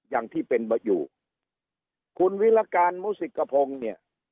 อย่างที่เป็นอยู่คุณวิรการมุสิกพงศ์เนี่ย